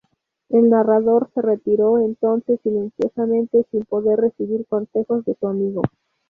El narrador se retiró entonces silenciosamente sin poder recibir consejos de su amigo.